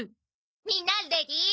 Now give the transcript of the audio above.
みんなレディー？